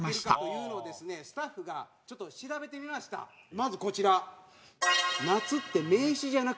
まずこちら。